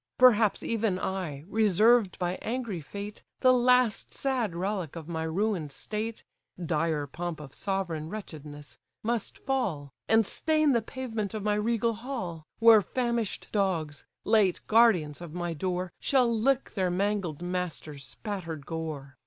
Perhaps even I, reserved by angry fate, The last sad relic of my ruin'd state, (Dire pomp of sovereign wretchedness!) must fall, And stain the pavement of my regal hall; Where famish'd dogs, late guardians of my door, Shall lick their mangled master's spatter'd gore.